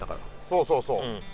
そうそうそう。